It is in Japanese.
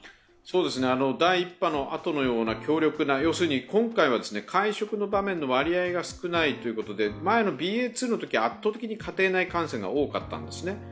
第１波のあとのような強力な、要するに今回は会食の場面の割合が少ないということで、前のＢＡ．２のときは圧倒的に家庭内感染が多かったってすね。